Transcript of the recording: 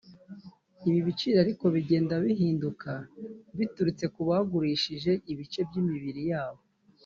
Ibi biciro ariko bigenda bihinduka biturutse ku bagurishije ibice by’imibiri yabo